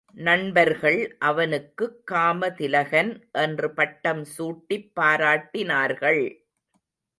நண்பர்கள் அவனுக்குக் காமதிலகன் என்று பட்டம் சூட்டிப் பாராட்டினார்கள்.